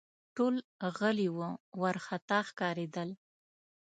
ټول غلي وه ، وارخطا ښکارېدل